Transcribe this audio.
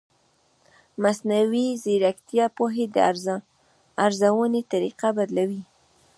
مصنوعي ځیرکتیا د پوهې د ارزونې طریقه بدلوي.